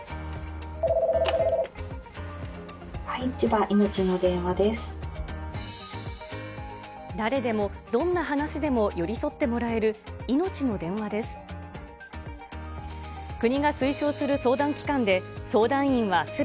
はい、誰でも、どんな話でも寄り添ってもらえるいのちの電話です。